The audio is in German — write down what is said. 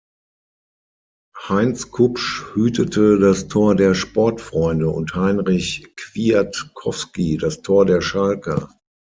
Heinz Kubsch hütete das Tor der Sportfreunde und Heinrich Kwiatkowski das Tor der Schalker.